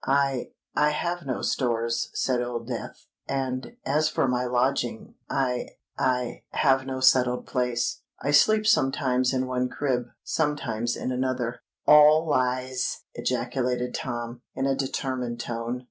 "I—I have no stores," said Old Death; "and, as for my lodging—I—I have no settled place. I sleep sometimes in one crib—sometimes in another——" "All lies!" ejaculated Tom, in a determined tone.